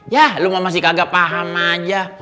yah lo mah masih kagak paham aja